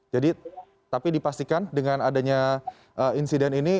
jadi tapi dipastikan dengan adanya insiden ini